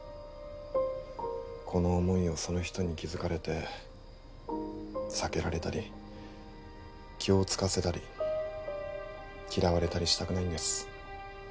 この思いをその人に気づかれて避けられたり気を使わせたり嫌われたりしたくないんです